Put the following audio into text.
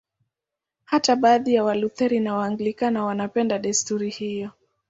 Hata baadhi ya Walutheri na Waanglikana wanapenda desturi hiyo.